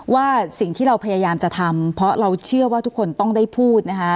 ว่าสิ่งที่เราพยายามจะทำเพราะเราเชื่อว่าทุกคนต้องได้พูดนะคะ